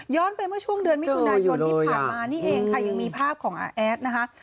ไปเมื่อช่วงเดือนมิถุนายนที่ผ่านมานี่เองค่ะยังมีภาพของอาแอดนะคะ